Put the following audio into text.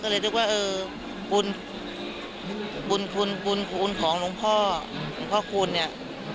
ก็เลยนึกว่าบุญของพ่อคุณเนี่ย